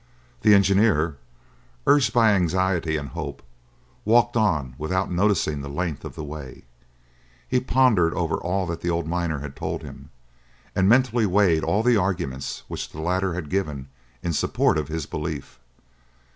The engineer, urged by anxiety and hope, walked on without noticing the length of the way. He pondered over all that the old miner had told him, and mentally weighed all the arguments which the latter had given in support of his belief.